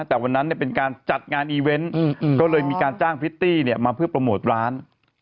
แต่วันนั้นเป็นการจัดงานอีเวนต์ก็เลยมีการจ้างพริตตี้มาเพื่อโปรโมทร้าน